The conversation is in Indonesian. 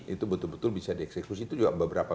itu betul betul bisa dieksekusi itu juga beberapa